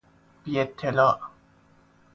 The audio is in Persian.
بی اطلاع